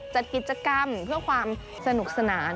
จัดกิจกรรมเพื่อความสนุกสนาน